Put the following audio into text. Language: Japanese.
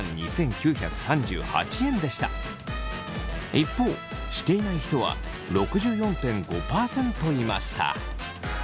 一方していない人は６４．５％いました。